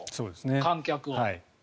観客を。